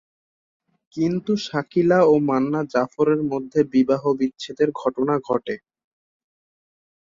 কিন্তু শাকিলা ও মান্না জাফরের মধ্যে বিবাহ বিচ্ছেদের ঘটনা ঘটে।